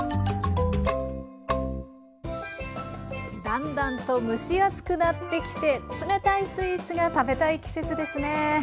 だんだんと蒸し暑くなってきて冷たいスイーツが食べたい季節ですね。